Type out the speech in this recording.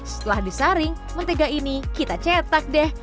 setelah disaring mentega ini kita cetak deh